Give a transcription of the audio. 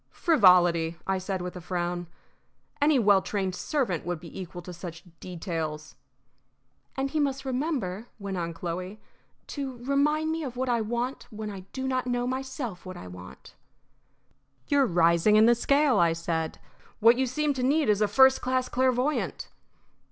"Frivolity," I said, with a frown. "Any well trained servant would be equal to such details." "And he must remember," went on Chloe, to remind me of what I want when I do not know, myself, what I want." "You're rising in the scale," I said. "What you seem to need is a first class clairvoyant."